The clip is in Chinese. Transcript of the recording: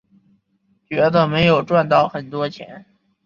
觉得没有赚到很多钱